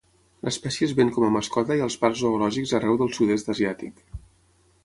L'espècie es ven com a mascota i als parcs zoològics arreu del sud-est asiàtic.